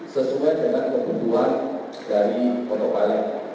sesuai dengan kebutuhan dari autopilot